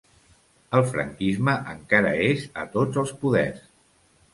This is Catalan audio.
El franquisme encara és a tots els poders.